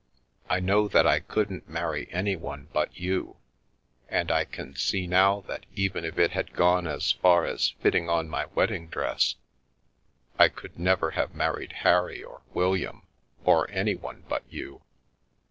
" I know that I couldn't marry anyone but you, and I can see now that even if it had gone as far as fitting on my wedding dress, I could never have married Harry or William, or anyone but you.